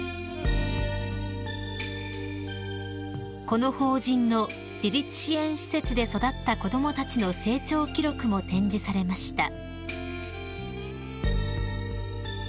［この法人の自立支援施設で育った子供たちの成長記録も展示されました］